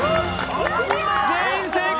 全員正解。